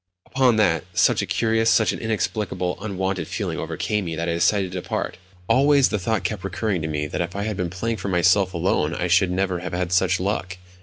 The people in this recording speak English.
Upon that such a curious, such an inexplicable, unwonted feeling overcame me that I decided to depart. Always the thought kept recurring to me that if I had been playing for myself alone I should never have had such luck.